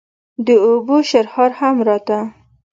د اوبو شرهار هم راته.